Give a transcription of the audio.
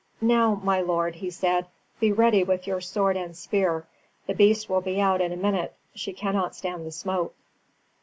"Now, my lord," he said, "be ready with your sword and spear. The beast will be out in a minute; she cannot stand the smoke."